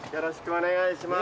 お願いします。